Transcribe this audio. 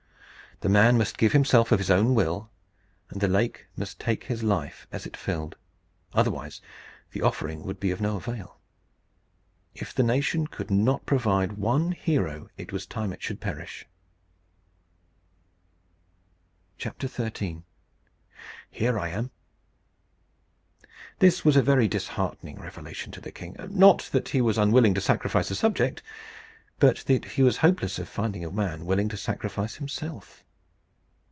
The man must give himself of his own will; and the lake must take his life as it filled. Otherwise the offering would be of no avail. If the nation could not provide one hero, it was time it should perish." XIII. HERE I AM. This was a very disheartening revelation to the king not that he was unwilling to sacrifice a subject, but that he was hopeless of finding a man willing to sacrifice himself.